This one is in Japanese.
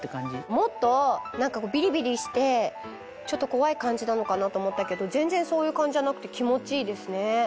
もっとビリビリしてちょっと怖い感じなのかなと思ったけど全然そういう感じじゃなくて気持ちいいですね。